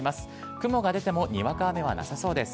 雲が出てもにわか雨はなさそうです。